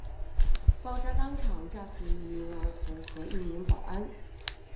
爆炸当场炸死一名儿童和一名保安。